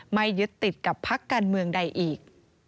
ไม่ยึดติดกับพักการเมืองใดอีก